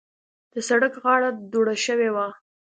د سړک غاړه دوړه شوې وه.